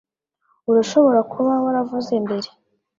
Urashobora kuba waravuze mbere.